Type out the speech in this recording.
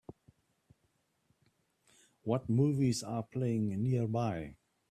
what movies are playing nearby